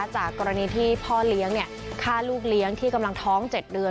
จากกรณีที่พ่อเลี้ยงฆ่าลูกเลี้ยงที่กำลังท้อง๗เดือน